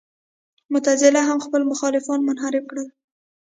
معتزله هم خپل مخالفان منحرف ګڼل.